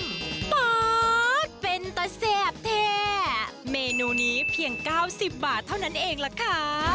ปอ๊ดเป็นตะแซ่บแท้เมนูนี้เพียง๙๐บาทเท่านั้นเองล่ะค่ะ